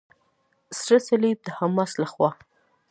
سره صلیب د حماس لخوا.